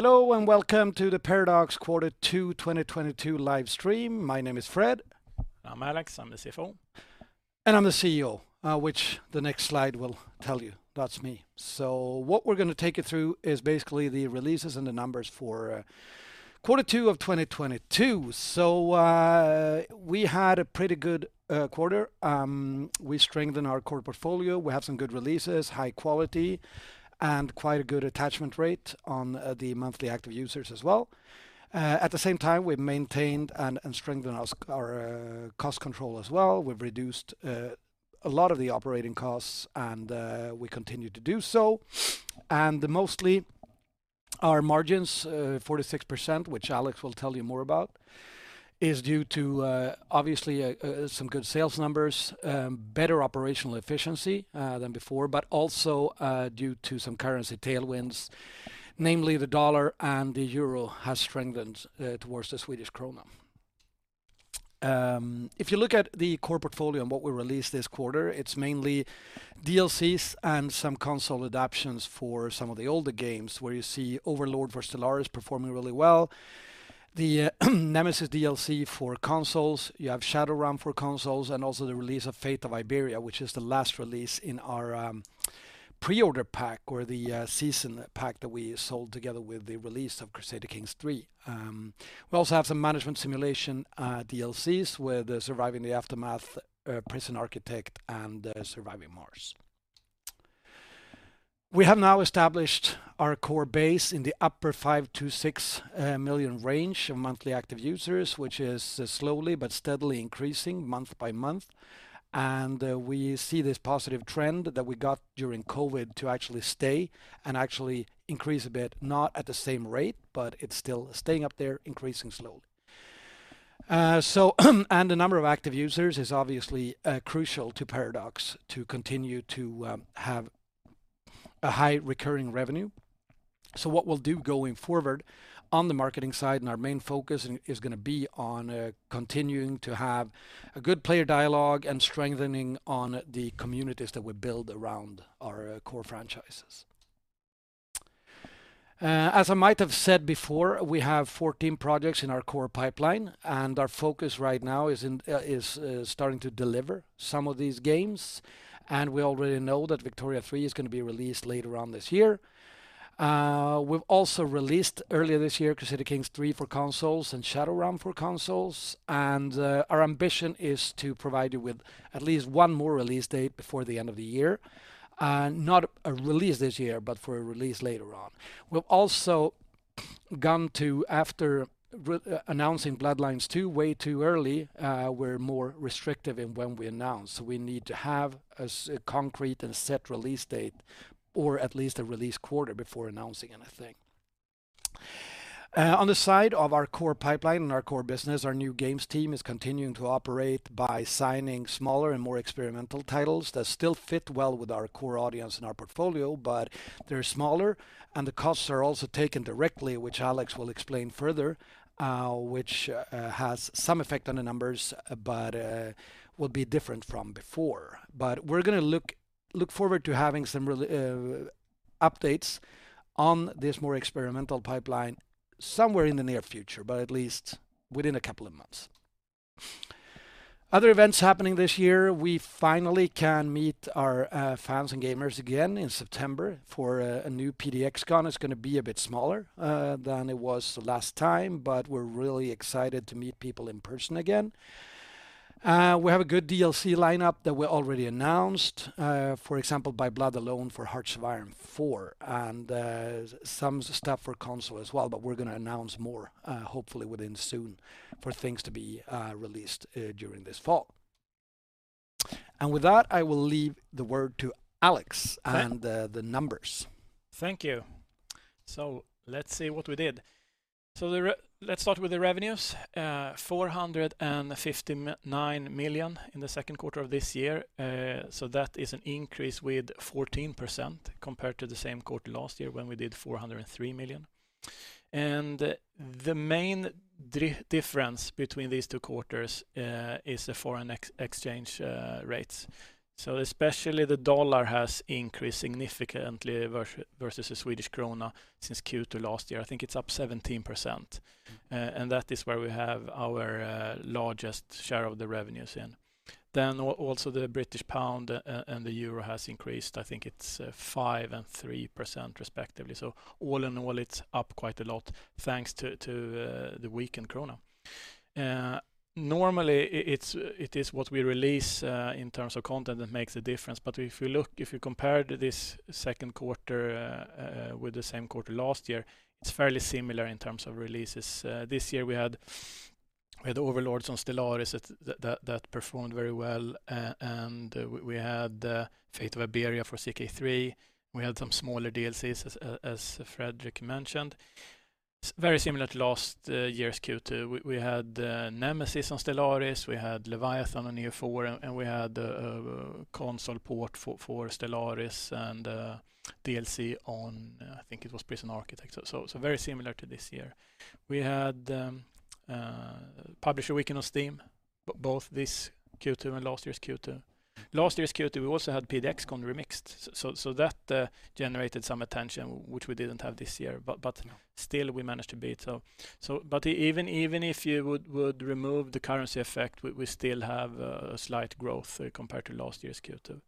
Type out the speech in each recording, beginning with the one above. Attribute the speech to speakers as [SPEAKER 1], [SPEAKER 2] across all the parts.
[SPEAKER 1] Hello and welcome to the Paradox Q2 2022 live stream. My name is Fred.
[SPEAKER 2] I'm Alex, I'm the CFO.
[SPEAKER 1] I'm the CEO, which the next slide will tell you. That's me. What we're gonna take you through is basically the releases and the numbers for Q2 of 2022. We had a pretty good quarter. We strengthen our core portfolio. We have some good releases, high quality, and quite a good attachment rate on the monthly active users as well. At the same time, we maintained and strengthened our cost control as well. We've reduced a lot of the operating costs and we continue to do so. Mostly our margins, 46%, which Alex will tell you more about, is due to obviously some good sales numbers, better operational efficiency than before, but also due to some currency tailwinds, namely the dollar and the euro has strengthened towards the Swedish krona. If you look at the core portfolio and what we released this quarter, it's mainly DLCs and some console adaptations for some of the older games, where you see Overlord for Stellaris performing really well. The Nemesis DLC for consoles. You have Shadowrun for consoles and also the release of Fate of Iberia, which is the last release in our pre-order pack or the season pack that we sold together with the release of Crusader Kings III. We also have some management simulation DLCs with Surviving the Aftermath, Prison Architect, and Surviving Mars. We have now established our core base in the upper 5-6 million range of monthly active users, which is slowly but steadily increasing month by month. We see this positive trend that we got during COVID to actually stay and actually increase a bit, not at the same rate, but it's still staying up there, increasing slowly. The number of active users is obviously crucial to Paradox to continue to have a high recurring revenue. What we'll do going forward on the marketing side and our main focus is gonna be on continuing to have a good player dialogue and strengthening on the communities that we build around our core franchises. As I might have said before, we have 14 projects in our core pipeline, and our focus right now is starting to deliver some of these games. We already know that Victoria 3 is gonna be released later on this year. We've also released earlier this year, Crusader Kings III for consoles and Shadowrun for consoles. Our ambition is to provide you with at least one more release date before the end of the year. Not a release this year, but for a release later on. We've also, after re-announcing Bloodlines 2 way too early, we're more restrictive in when we announce. We need to have a concrete and set release date or at least a release quarter before announcing anything. On the side of our core pipeline and our core business, our New Games team is continuing to operate by signing smaller and more experimental titles that still fit well with our core audience and our portfolio, but they're smaller, and the costs are also taken directly, which Alex will explain further, which has some effect on the numbers but will be different from before. We're gonna look forward to having some updates on this more experimental pipeline somewhere in the near future, but at least within a couple of months. Other events happening this year. We finally can meet our fans and gamers again in September for a new PDXCON. It's gonna be a bit smaller than it was last time, but we're really excited to meet people in person again. We have a good DLC lineup that we already announced, for example, By Blood Alone for Hearts of Iron IV and some stuff for console as well. We're gonna announce more, hopefully within soon for things to be released during this fall. With that, I will leave the word to Alex and the numbers.
[SPEAKER 2] Thank you. Let's see what we did. Let's start with the revenues, 459 million in the second quarter of this year. That is an increase with 14% compared to the same quarter last year when we did 403 million. The main difference between these two quarters is the foreign exchange rates. Especially the dollar has increased significantly versus the Swedish krona since Q2 last year. I think it's up 17%. And that is where we have our largest share of the revenues in. Also the British pound and the euro has increased. I think it's 5% and 3% respectively. All in all, it's up quite a lot. Thanks to the weakened krona. It's what we release in terms of content that makes a difference. If you look, if you compare this second quarter with the same quarter last year, it's fairly similar in terms of releases. This year we had Overlord on Stellaris that performed very well, and we had Fate of Iberia for CK3. We had some smaller DLCs as Fredrik mentioned. Very similar to last year's Q2. We had Nemesis on Stellaris, we had Leviathan on EU4, and we had console port for Stellaris and a DLC on, I think it was Prison Architect. Very similar to this year. We had Publisher Weekend on Steam both this Q2 and last year's Q2. Last year's Q2, we also had PDXCON Remixed, so that generated some attention, which we didn't have this year. Still we managed to beat. Even if you would remove the currency effect, we still have a slight growth compared to last year's Q2.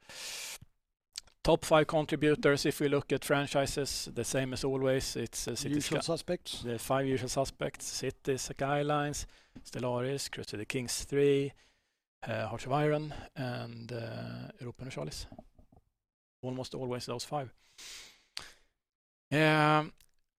[SPEAKER 2] Top five contributors, if we look at franchises, the same as always. It's Cities: Skylines-
[SPEAKER 1] Usual suspects
[SPEAKER 2] The five usual suspects, Cities: Skylines, Stellaris, Crusader Kings III, Hearts of Iron, and Europa Universalis. Almost always those five.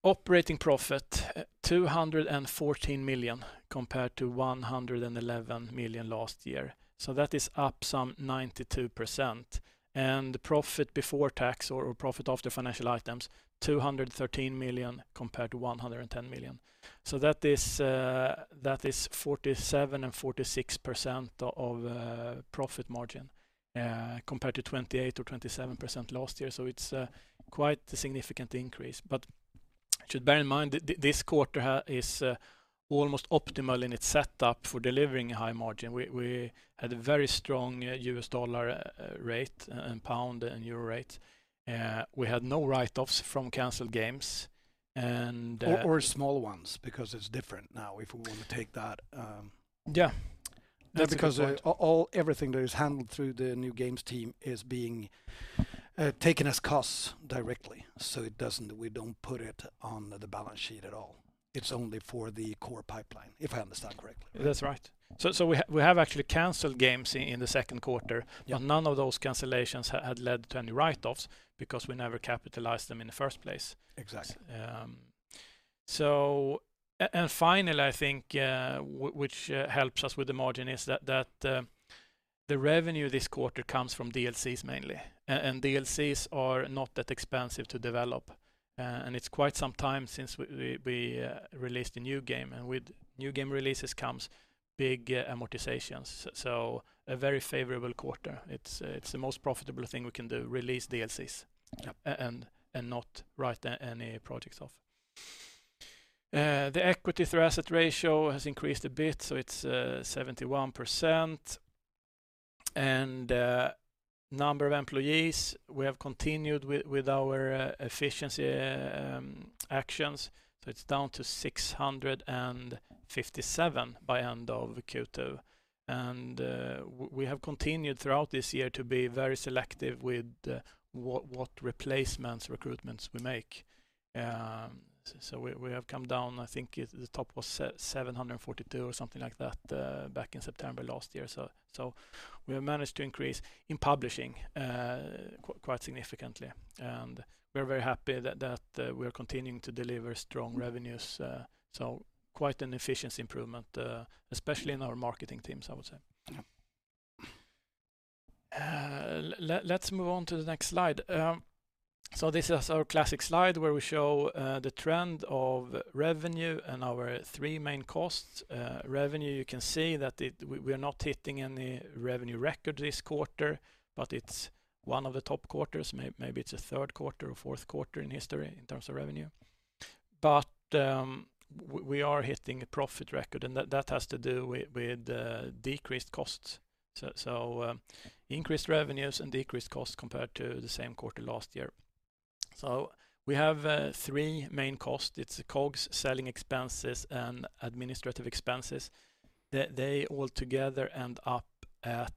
[SPEAKER 2] Operating profit 214 million compared to 111 million last year. That is up some 92%. Profit before tax or profit after financial items, 213 million compared to 110 million. That is 47 and 46% of profit margin compared to 28% or 27% last year. It's quite a significant increase. Should bear in mind this quarter is almost optimal in its setup for delivering high margin. We had a very strong U.S. dollar rate and pound and euro rate. We had no write-offs from canceled games and
[SPEAKER 1] small ones because it's different now if we want to take that.
[SPEAKER 2] Yeah. That's a good point.
[SPEAKER 1] Because everything that is handled through the New Games team is being taken as costs directly, so we don't put it on the balance sheet at all. It's only for the core pipeline, if I understand correctly.
[SPEAKER 2] That's right. We have actually canceled games in the second quarter.
[SPEAKER 1] Yeah.
[SPEAKER 2] None of those cancellations had led to any write-offs because we never capitalized them in the first place.
[SPEAKER 1] Exactly.
[SPEAKER 2] Finally, I think, which helps us with the margin is that the revenue this quarter comes from DLCs mainly, and DLCs are not that expensive to develop. It's quite some time since we released a new game, and with new game releases comes big amortizations, so a very favorable quarter. It's the most profitable thing we can do, release DLCs.
[SPEAKER 1] Yeah.
[SPEAKER 2] Not write any projects off. The equity-to-asset ratio has increased a bit, so it's 71%. Number of employees, we have continued with our efficiency actions, so it's down to 657 by end of Q2. We have continued throughout this year to be very selective with what replacements, recruitments we make. We have come down. I think the top was 742 or something like that back in September last year. We have managed to increase in publishing quite significantly. We are very happy that we are continuing to deliver strong revenues. Quite an efficiency improvement, especially in our marketing teams, I would say. Let's move on to the next slide. This is our classic slide where we show the trend of revenue and our three main costs. Revenue, you can see that we are not hitting any revenue record this quarter, but it's one of the top quarters. Maybe it's the third quarter or fourth quarter in history in terms of revenue. We are hitting a profit record, and that has to do with decreased costs. Increased revenues and decreased costs compared to the same quarter last year. We have three main costs. It's COGS, selling expenses, and administrative expenses. They all together end up at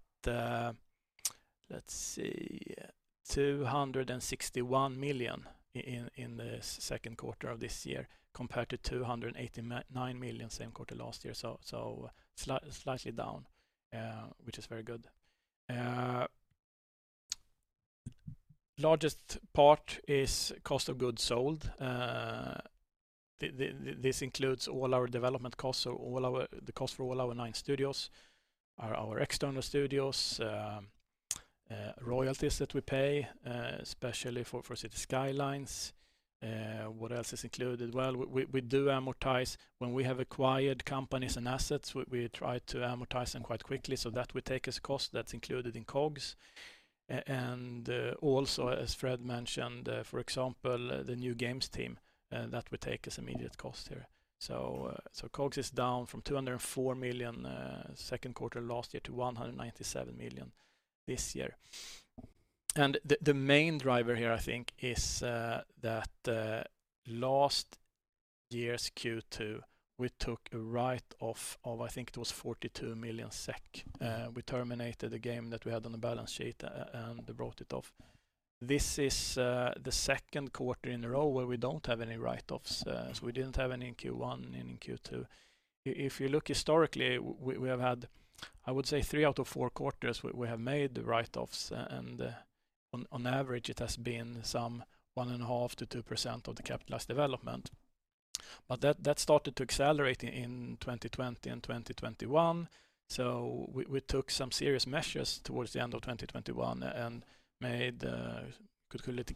[SPEAKER 2] 261 million in the second quarter of this year, compared to 289 million same quarter last year. Slightly down, which is very good. Largest part is cost of goods sold. This includes all our development costs, so all the cost for all our nine studios, our external studios, royalties that we pay, especially for Cities: Skylines. What else is included? Well, we do amortize. When we have acquired companies and assets, we try to amortize them quite quickly, so that we take as cost that's included in COGS. Also as Fred mentioned, for example, the New Games team, that we take as immediate cost here. So, COGS is down from 204 million second quarter last year to 197 million this year. The main driver here, I think, is that last year's Q2, we took a write-off of I think it was 42 million SEK. We terminated a game that we had on the balance sheet and wrote it off. This is the second quarter in a row where we don't have any write-offs. We didn't have any in Q1 and in Q2. If you look historically, we have had, I would say three out of four quarters we have made write-offs, and on average, it has been some 1.5%-2% of the capitalized development. That started to accelerate in 2020 and 2021, we took some serious measures towards the end of 2021 and made a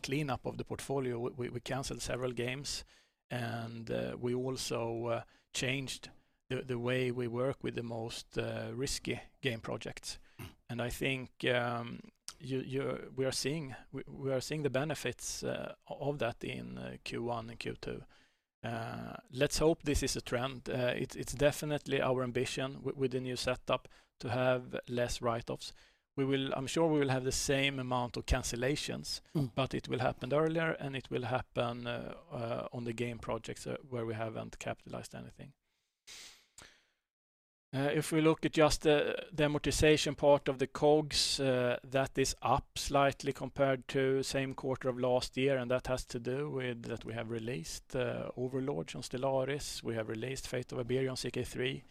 [SPEAKER 2] clean up of the portfolio. We canceled several games, and we also changed the way we work with the most risky game projects. I think we are seeing the benefits of that in Q1 and Q2. Let's hope this is a trend. It's definitely our ambition with the new setup to have less write-offs. I'm sure we will have the same amount of cancellations. It will happen earlier, and it will happen on the game projects where we haven't capitalized anything. If we look at just the amortization part of the COGS, that is up slightly compared to same quarter of last year, and that has to do with that we have released Overlord on Stellaris, we have released Fate of Iberia on CK3,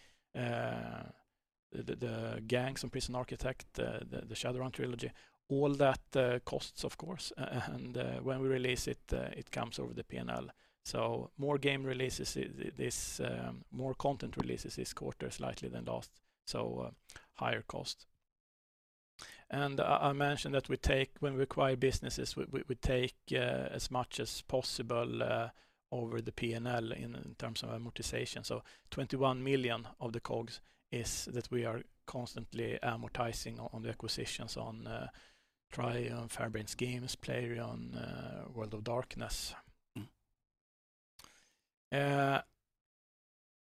[SPEAKER 2] the Gangs on Prison Architect, the Shadowrun Trilogy. All that costs, of course, and when we release it comes over the P&L. So more game releases this, more content releases this quarter slightly than last, so higher cost. I mentioned that we take when we acquire businesses, we take as much as possible over the P&L in terms of amortization. 21 million of the COGS is that we are constantly amortizing of the acquisitions of Triumph, Harebrained Schemes, Playrion, World of Darkness.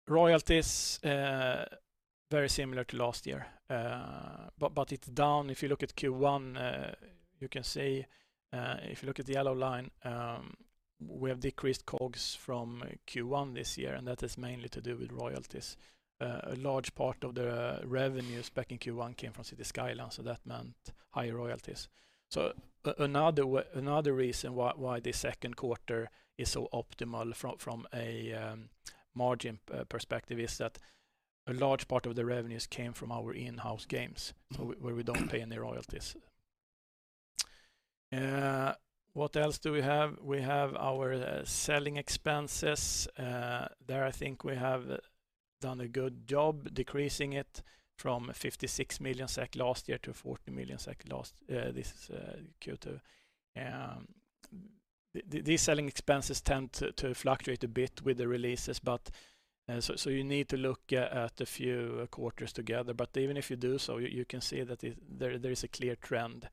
[SPEAKER 2] Royalties very similar to last year, but it's down. If you look at Q1, you can see if you look at the yellow line, we have decreased COGS from Q1 this year, and that is mainly to do with royalties. A large part of the revenues back in Q1 came from Cities: Skylines, so that meant higher royalties. Another reason why this second quarter is so optimal from a margin perspective is that a large part of the revenues came from our in-house games. Where we don't pay any royalties. What else do we have? We have our selling expenses. There I think we have done a good job decreasing it from 56 million SEK last year to 40 million SEK this Q2. These selling expenses tend to fluctuate a bit with the releases, but so you need to look at a few quarters together. Even if you do so, you can see that there is a clear trend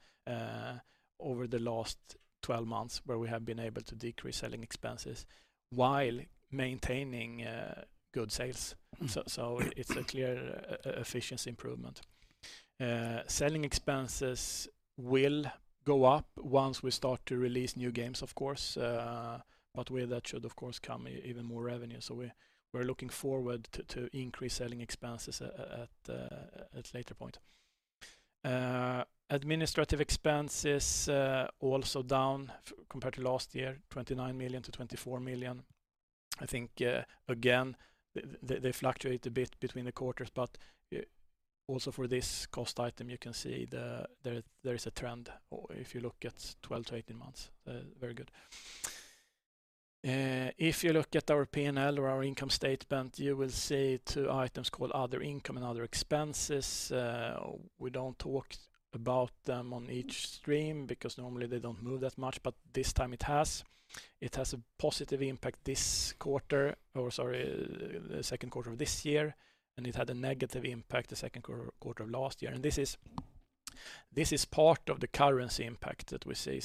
[SPEAKER 2] over the last twelve months where we have been able to decrease selling expenses while maintaining good sales. It's a clear efficiency improvement. Selling expenses will go up once we start to release new games, of course, but with that should of course come even more revenue. We're looking forward to increase selling expenses at later point. Administrative expenses also down compared to last year, 29 million to 24 million. I think, again, they fluctuate a bit between the quarters, but also for this cost item, you can see there is a trend if you look at 12-18 months. Very good. If you look at our P&L or our income statement, you will see two items called other income and other expenses. We don't talk about them on each stream because normally they don't move that much, but this time it has. It has a positive impact this quarter, the second quarter of this year, and it had a negative impact the second quarter of last year. This is part of the currency impact that we see.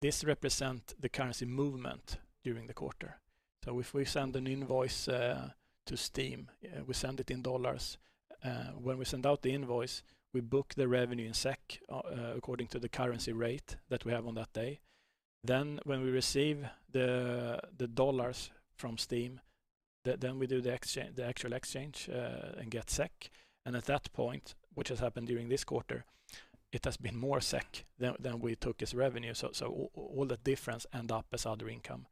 [SPEAKER 2] This represent the currency movement during the quarter. If we send an invoice to Steam, we send it in US dollars. When we send out the invoice, we book the revenue in SEK according to the currency rate that we have on that day. When we receive the U.S. dollars from Steam, we do the exchange, the actual exchange, and get SEK. At that point, which has happened during this quarter, it has been more SEK than we took as revenue. All the difference end up as other income.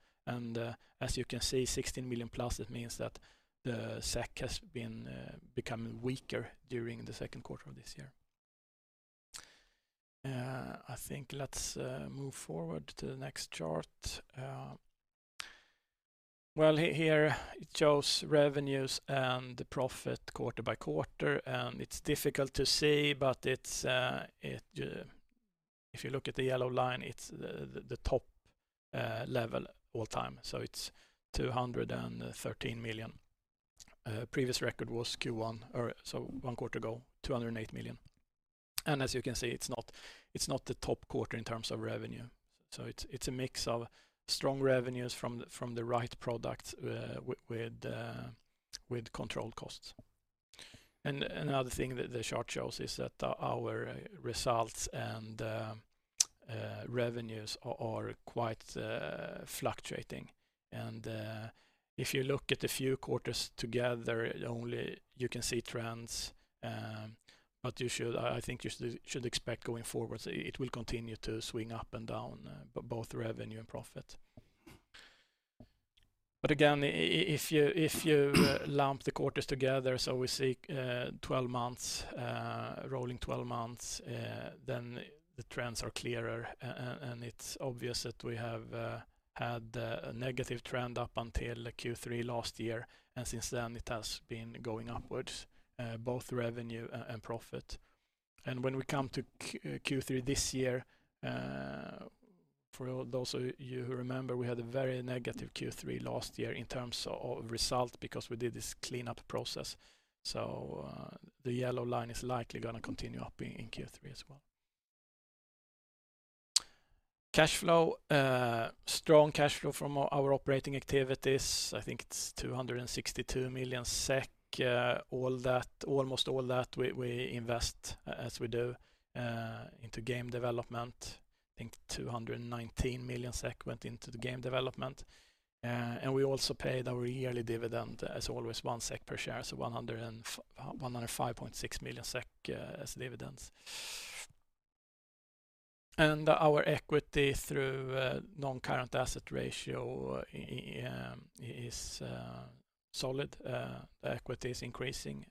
[SPEAKER 2] As you can see, 16 million plus, it means that the SEK has been becoming weaker during the second quarter of this year. I think, let's move forward to the next chart. Here it shows revenues and the profit quarter by quarter, and it's difficult to see, but if you look at the yellow line, it's the top level all time. It's 213 million. Previous record was Q1 or so one quarter ago, 208 million. As you can see, it's not the top quarter in terms of revenue. It's a mix of strong revenues from the right product with controlled costs. Another thing that the chart shows is that our results and revenues are quite fluctuating. If you look at a few quarters together, only then you can see trends, but I think you should expect going forward, it will continue to swing up and down, both revenue and profit. But again, if you lump the quarters together, so we see twelve months rolling twelve months, then the trends are clearer and it's obvious that we have had a negative trend up until Q3 last year, and since then it has been going upwards, both revenue and profit. When we come to Q3 this year, for those of you who remember, we had a very negative Q3 last year in terms of result because we did this cleanup process. The yellow line is likely gonna continue up in Q3 as well. Cash flow, strong cash flow from our operating activities. I think it's 262 million SEK. Almost all that we invest as we do into game development. I think 219 million SEK went into the game development. We also paid our yearly dividend as always, 1 SEK per share, so 105.6 million SEK as dividends. Our equity-to-asset ratio is solid. Equity is increasing,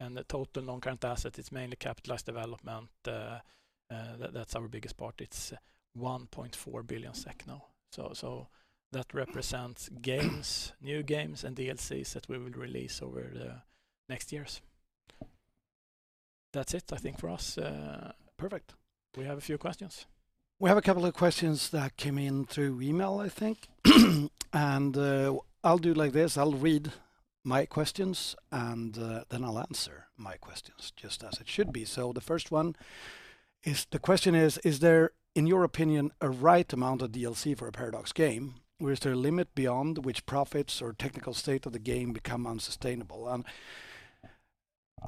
[SPEAKER 2] and the total non-current asset is mainly capitalized development. That's our biggest part. It's 1.4 billion SEK now. That represents games, new games and DLCs that we will release over the next years. That's it, I think, for us.
[SPEAKER 1] Perfect. Do we have a few questions? We have a couple of questions that came in through email, I think. I'll do like this. I'll read my questions and then I'll answer my questions just as it should be. The first one is the question is: Is there, in your opinion, a right amount of DLC for a Paradox game? Or is there a limit beyond which profits or technical state of the game become unsustainable?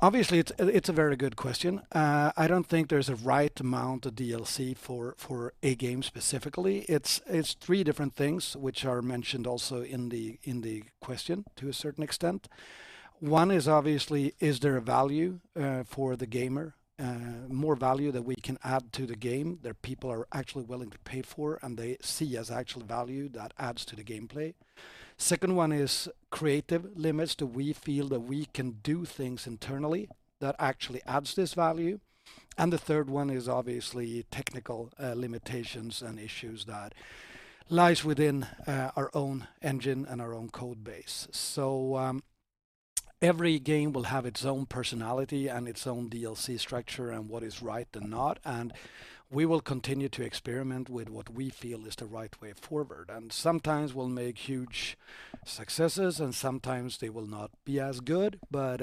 [SPEAKER 1] Obviously, it's a very good question. I don't think there's a right amount of DLC for a game specifically. It's three different things which are mentioned also in the question to a certain extent. One is obviously, is there a value for the gamer? More value that we can add to the game that people are actually willing to pay for and they see as actual value that adds to the gameplay. Second one is creative limits. Do we feel that we can do things internally that actually adds this value? The third one is obviously technical limitations and issues that lies within our own engine and our own code base. Every game will have its own personality and its own DLC structure and what is right and not, and we will continue to experiment with what we feel is the right way forward. Sometimes we'll make huge successes and sometimes they will not be as good, but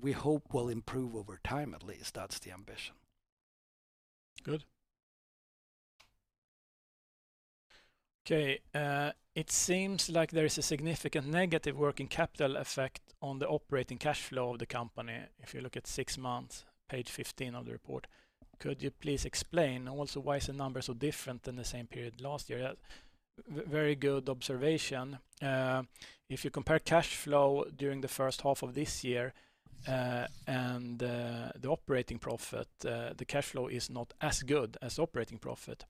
[SPEAKER 1] we hope we'll improve over time, at least. That's the ambition. Good.
[SPEAKER 2] Okay, it seems like there is a significant negative working capital effect on the operating cash flow of the company if you look at six months, page 15 of the report. Could you please explain? And also, why is the number so different than the same period last year? Yeah. Very good observation. If you compare cash flow during the first half of this year and the operating profit, the cash flow is not as good as operating profit.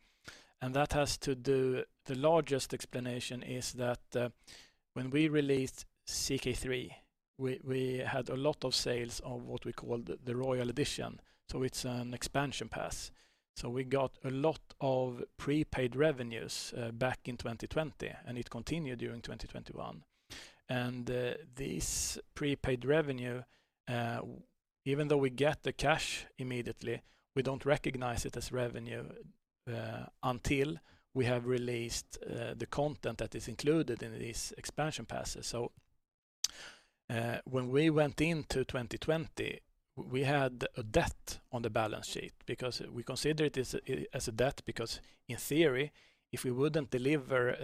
[SPEAKER 2] The largest explanation is that, when we released CK3, we had a lot of sales of what we call the Royal Edition, so it's an expansion pass. We got a lot of prepaid revenues back in 2020, and it continued during 2021. This prepaid revenue, even though we get the cash immediately, we don't recognize it as revenue until we have released the content that is included in these expansion passes. When we went into 2020, we had a debt on the balance sheet because we consider this as a debt, because in theory, if we wouldn't deliver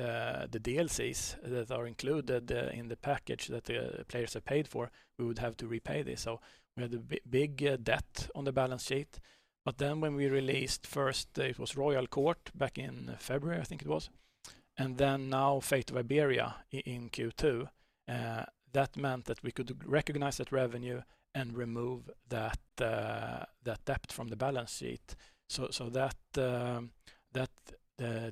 [SPEAKER 2] the DLCs that are included in the package that the players have paid for, we would have to repay this. We had a big debt on the balance sheet. When we released first, it was Royal Court back in February, I think it was, and then now Fate of Iberia in Q2, that meant that we could recognize that revenue and remove that debt from the balance sheet. That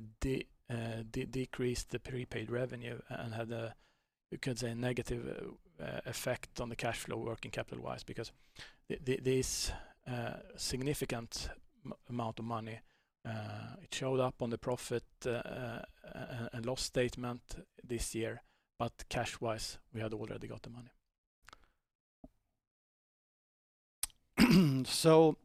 [SPEAKER 2] decreased the prepaid revenue and had a, you could say, negative effect on the cash flow working capital-wise because this significant amount of money it showed up on the profit loss statement this year, but cash-wise, we had already got the money.
[SPEAKER 1] The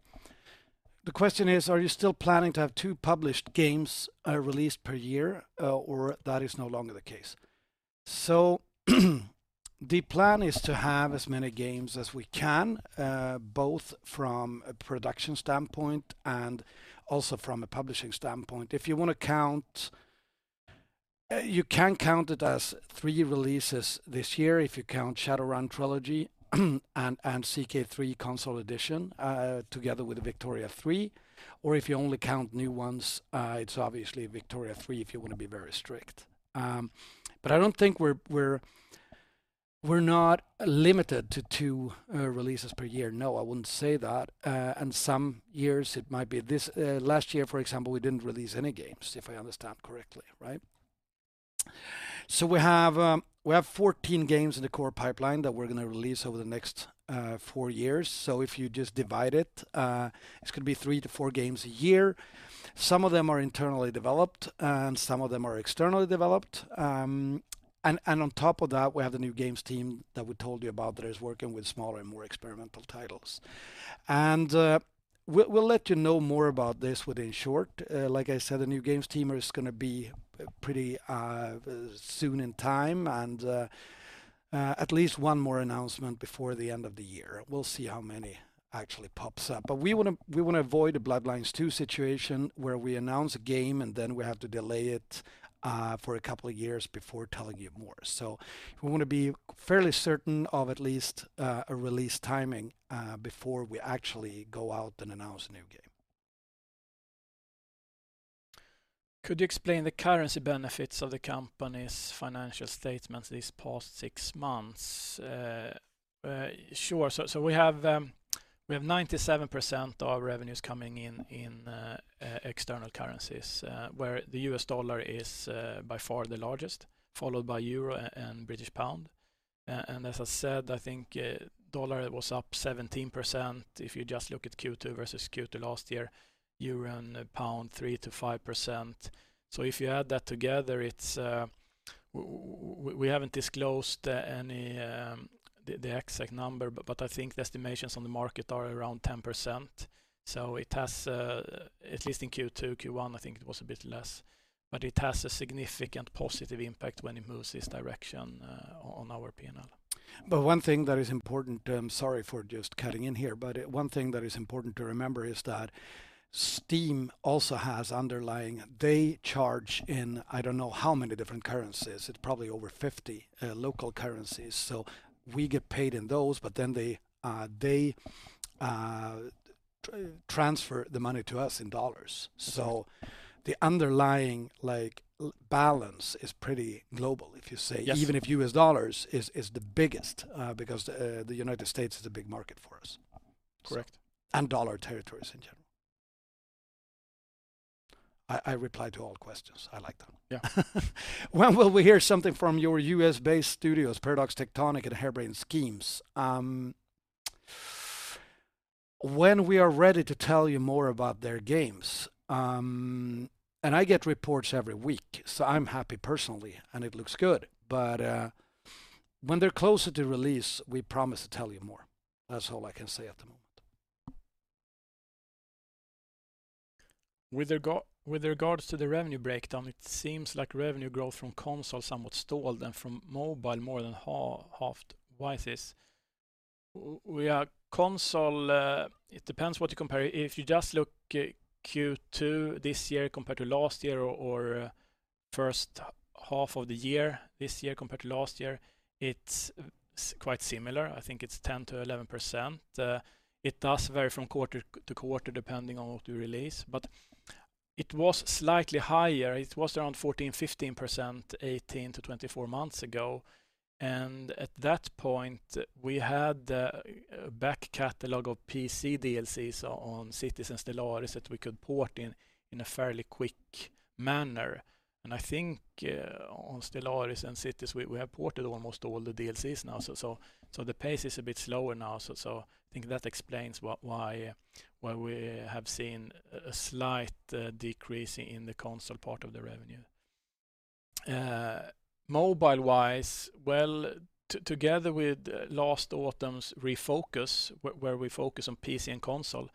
[SPEAKER 1] question is, are you still planning to have two published games released per year, or that is no longer the case? The plan is to have as many games as we can, both from a production standpoint and also from a publishing standpoint. You can count it as three releases this year if you count Shadowrun Trilogy and CK3 Console Edition together with Victoria 3, or if you only count new ones, it's obviously Victoria 3 if you wanna be very strict. I don't think we're not limited to two releases per year. No, I wouldn't say that. Some years it might be last year, for example, we didn't release any games, if I understand correctly, right? We have 14 games in the core pipeline that we're gonna release over the next four years. If you just divide it's gonna be three to four games a year. Some of them are internally developed, and some of them are externally developed. On top of that, we have the New Games team that we told you about that is working with smaller and more experimental titles. We'll let you know more about this within short. Like I said, the New Games team is gonna be pretty soon in time, and at least one more announcement before the end of the year. We'll see how many actually pops up. We wanna avoid a Bloodlines 2 situation where we announce a game and then we have to delay it for a couple of years before telling you more. We wanna be fairly certain of at least a release timing before we actually go out and announce a new game.
[SPEAKER 2] Could you explain the currency benefits of the company's financial statements these past six months? Sure. We have 97% of revenues coming in external currencies, where the U.S. dollar is by far the largest, followed by euro and British pound. As I said, I think dollar was up 17% if you just look at Q2 versus Q2 last year, euro and pound 3%-5%. If you add that together, we haven't disclosed the exact number, but I think the estimations on the market are around 10%. It has at least in Q2, Q1 I think it was a bit less. It has a significant positive impact when it moves this direction on our P&L.
[SPEAKER 1] One thing that is important, sorry for just cutting in here, one thing that is important to remember is that Steam also has. They charge in I don't know how many different currencies. It's probably over 50 local currencies. We get paid in those, but then they transfer the money to us in dollars. The underlying, like, balance is pretty global, if you say.
[SPEAKER 2] Yes.
[SPEAKER 1] Even if U.S. dollars is the biggest because the United States is a big market for us.
[SPEAKER 2] Correct.
[SPEAKER 1] Dollar territories in general. I replied to all questions. I like that one.
[SPEAKER 2] Yeah.
[SPEAKER 1] When will we hear something from your U.S.-based studios, Paradox Tectonic and Harebrained Schemes? When we are ready to tell you more about their games. I get reports every week, so I'm happy personally, and it looks good. When they're closer to release, we promise to tell you more. That's all I can say at the moment.
[SPEAKER 2] With regards to the revenue breakdown, it seems like revenue growth from console somewhat stalled and from mobile more than halved. Why is this? It depends what you compare. If you just look at Q2 this year compared to last year or first half of the year this year compared to last year, it's quite similar. I think it's 10%-11%. It does vary from quarter to quarter, depending on what we release. But it was slightly higher. It was around 14%-15% 18-24 months ago. At that point, we had the back catalog of PC DLCs on Cities and Stellaris that we could port in in a fairly quick manner. I think on Stellaris and Cities, we have ported almost all the DLCs now, so the pace is a bit slower now. I think that explains why we have seen a slight decrease in the console part of the revenue. Mobile-wise, well, together with last autumn's refocus, where we focus on PC and console,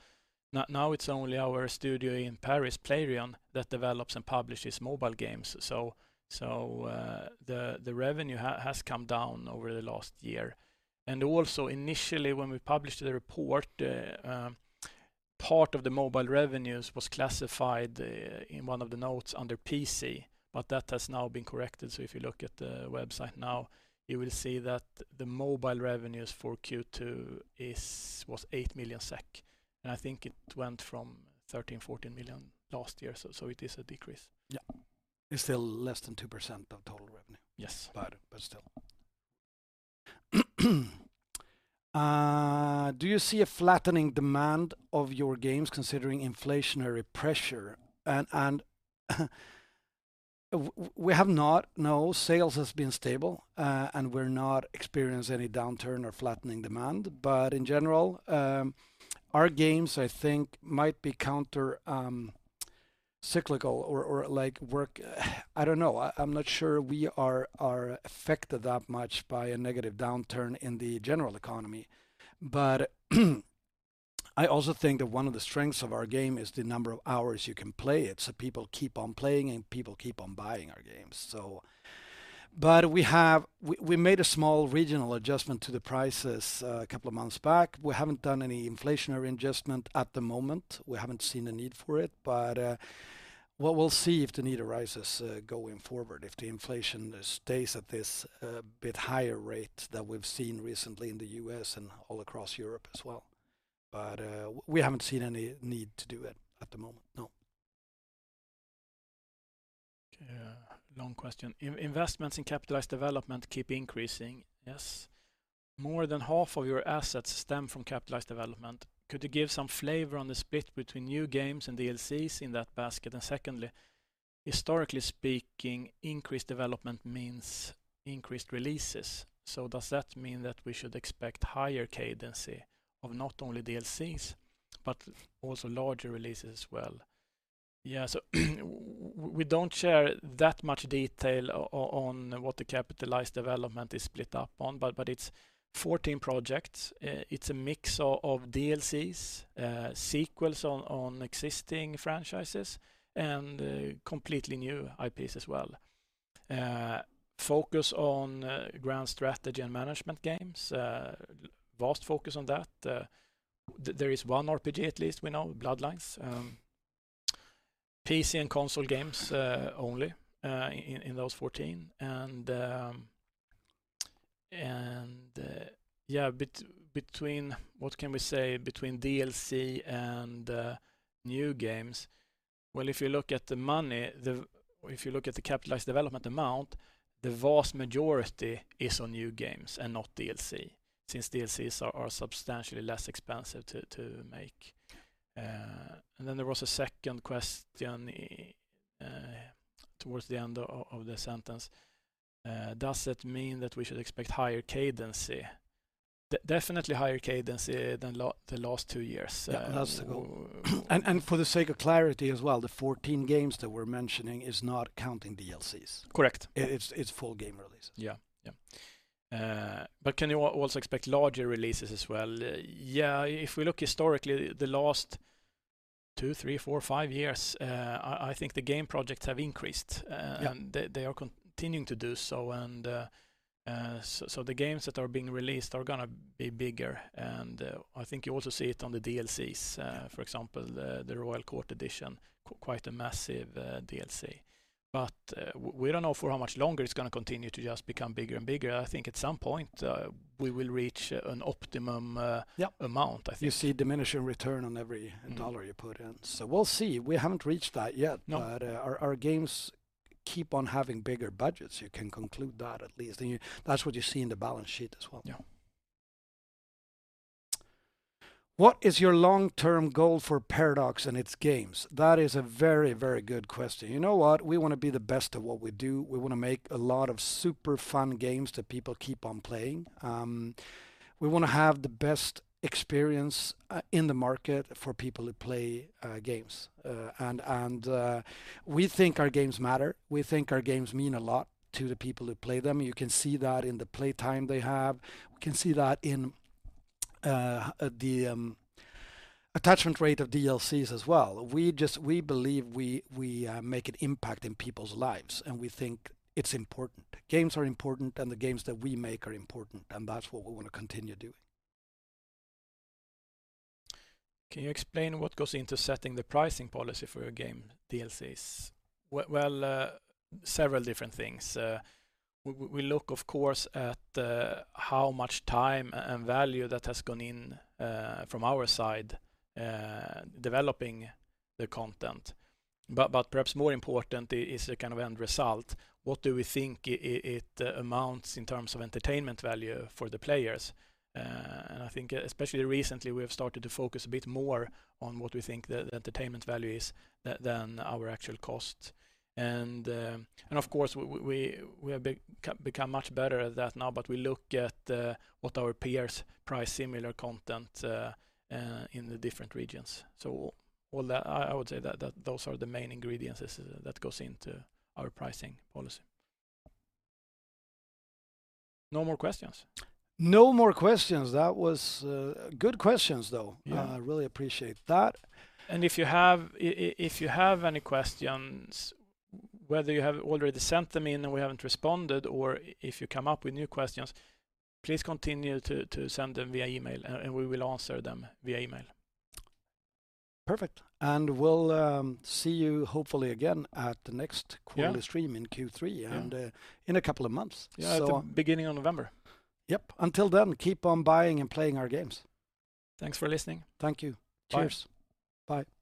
[SPEAKER 2] now it's only our studio in Paris, Playrion, that develops and publishes mobile games. The revenue has come down over the last year. Also initially, when we published the report, part of the mobile revenues was classified in one of the notes under PC, but that has now been corrected. If you look at the website now, you will see that the mobile revenues for Q2 was 8 million SEK. I think it went from 13 million-14 million last year. It is a decrease.
[SPEAKER 1] Yeah. It's still less than 2% of total revenue.
[SPEAKER 2] Yes.
[SPEAKER 1] But still. Do you see a flattening demand of your games considering inflationary pressure? We have not, no. Sales has been stable, and we're not experiencing any downturn or flattening demand. In general, our games, I think, might be counter cyclical or like. I don't know. I'm not sure we are affected that much by a negative downturn in the general economy. I also think that one of the strengths of our game is the number of hours you can play it. People keep on playing and people keep on buying our games. We made a small regional adjustment to the prices a couple of months back. We haven't done any inflationary adjustment at the moment. We haven't seen a need for it. We'll see if the need arises going forward, if the inflation stays at this bit higher rate than we've seen recently in the U.S. and all across Europe as well. We haven't seen any need to do it at the moment, no.
[SPEAKER 2] Okay. Long question. Investments in capitalized development keep increasing. Yes. More than half of your assets stem from capitalized development. Could you give some flavor on the split between new games and DLCs in that basket? And secondly, historically speaking, increased development means increased releases. So does that mean that we should expect higher cadence of not only DLCs, but also larger releases as well? Yeah. We don't share that much detail on what the capitalized development is split up on, but it's 14 projects. It's a mix of DLCs, sequels on existing franchises, and completely new IPs as well. Focus on grand strategy and management games. Vast focus on that. There is one RPG at least we know, Bloodlines. PC and console games only in those 14. Between what can we say? Between DLC and new games. Well, if you look at the money, or if you look at the capitalized development amount, the vast majority is on new games and not DLC, since DLCs are substantially less expensive to make. And then there was a second question towards the end of the sentence. Does it mean that we should expect higher cadence? Definitely higher cadence than the last two years.
[SPEAKER 1] Yeah. That's the goal. For the sake of clarity as well, the 14 games that we're mentioning is not counting DLCs.
[SPEAKER 2] Correct.
[SPEAKER 1] It's full game releases.
[SPEAKER 2] Yeah. Yeah. Can you also expect larger releases as well? Yeah, if we look historically, the last two, three, four, five years, I think the game projects have increased.
[SPEAKER 1] Yeah.
[SPEAKER 2] They are continuing to do so. The games that are being released are gonna be bigger. I think you also see it on the DLCs, for example, the Royal Court edition, quite a massive DLC. We don't know for how much longer it's gonna continue to just become bigger and bigger. I think at some point we will reach an optimum amount, I think.
[SPEAKER 1] You see diminishing return on every dollar you put in. We'll see. We haven't reached that yet.
[SPEAKER 2] No.
[SPEAKER 1] Our games keep on having bigger budgets. You can conclude that at least. That's what you see in the balance sheet as well.
[SPEAKER 2] Yeah.
[SPEAKER 1] What is your long-term goal for Paradox and its games? That is a very, very good question. You know what? We wanna be the best at what we do. We wanna make a lot of super fun games that people keep on playing. We wanna have the best experience in the market for people who play games. We think our games matter. We think our games mean a lot to the people who play them. You can see that in the play time they have. We can see that in the attachment rate of DLCs as well. We believe we make an impact in people's lives, and we think it's important. Games are important, and the games that we make are important, and that's what we wanna continue doing.
[SPEAKER 2] Can you explain what goes into setting the pricing policy for your game DLCs? Well, several different things. We look, of course, at how much time and value that has gone in from our side developing the content. Perhaps more important is a kind of end result. What do we think it amounts in terms of entertainment value for the players? I think especially recently, we have started to focus a bit more on what we think the entertainment value is than our actual cost. Of course, we have become much better at that now, but we look at what our peers price similar content in the different regions. All that, I would say that those are the main ingredients that goes into our pricing policy. No more questions?
[SPEAKER 1] No more questions. That was good questions, though.
[SPEAKER 2] Yeah.
[SPEAKER 1] Really appreciate that.
[SPEAKER 2] If you have any questions, whether you have already sent them in and we haven't responded, or if you come up with new questions, please continue to send them via email, and we will answer them via email.
[SPEAKER 1] Perfect. We'll see you hopefully again at the next quarterly stream in Q3.
[SPEAKER 2] Yeah.
[SPEAKER 1] In a couple of months.
[SPEAKER 2] Yeah, at the beginning of November.
[SPEAKER 1] Yep. Until then, keep on buying and playing our games.
[SPEAKER 2] Thanks for listening.
[SPEAKER 1] Thank you.
[SPEAKER 2] Cheers.
[SPEAKER 1] Bye.